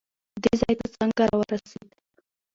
دې ځای ته څنګه راورسېد؟